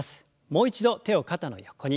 もう一度手を肩の横に。